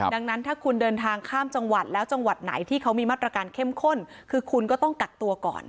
ดังนั้นถ้าคุณเดินทางข้ามจังหวัดแล้วจังหวัดไหนที่เขามีมาตรการเข้มข้นคือคุณก็ต้องกักตัวก่อน